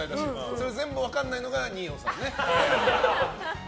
それ全部分からないのが二葉さんね。